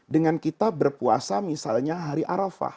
dengan kita berpuasa misalnya hari arafah